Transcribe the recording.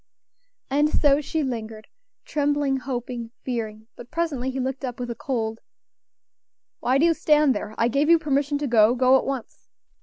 And so she lingered, trembling, hoping, fearing; but presently he looked up with a cold "Why do you stand there? I gave you permission to go; go at once."